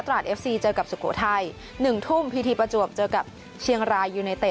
ไทยลีคแข่งขันกัน๔ประตูต่อ๒